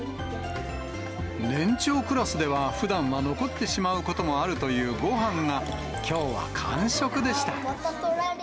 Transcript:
年長クラスではふだんは残ってしまうこともあるというごはんが、きょうは完食でした。